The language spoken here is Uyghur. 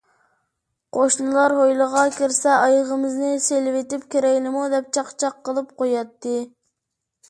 قوشنىلار ھويلىغا كىرسە: «ئايىغىمىزنى سېلىۋېتىپ كىرەيلىمۇ؟ » دەپ چاقچاق قىلىپ قوياتتى.